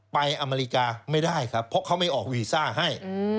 อเมริกาไม่ได้ครับเพราะเขาไม่ออกวีซ่าให้